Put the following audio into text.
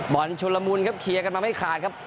บ่อนชุลมูลครับเคียร์กันมาไม่ขาดครับ